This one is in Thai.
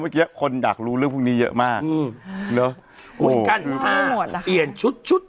เมื่อกี้คนอยากรู้เรื่องพวกนี้เยอะมากอืมเนอะเอาละ